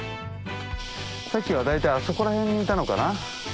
さっきは大体あそこら辺にいたのかな。